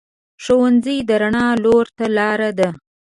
ښوونځی د رڼا لور ته لار ده